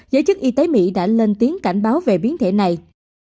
giới chức y tế mỹ đã lên tiếng cảnh báo về biến thể này